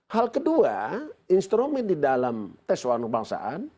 hal kedua instrumen di dalam tes pembahasan